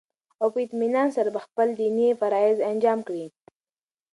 او په اطمينان سره به خپل ديني فرايض انجام كړي